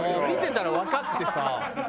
見てたらわかってさ。